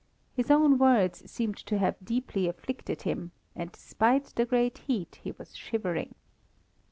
His own words seemed to have deeply afflicted him, and despite the great heat, he was shivering.